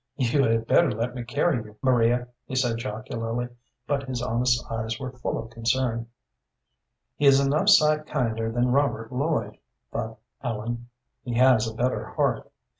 "You had better let me carry you, Maria," he said, jocularly, but his honest eyes were full of concern. "He is enough sight kinder than Robert Lloyd," thought Ellen; "he has a better heart."